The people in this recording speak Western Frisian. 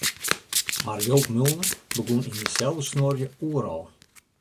Mar Joop Mulder begûn yn deselde snuorje Oerol.